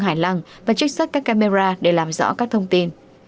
hải lăng và trích xuất các camera để làm rõ các thông tin